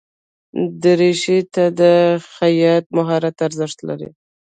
دریشي ته د خیاط مهارت ارزښت لري.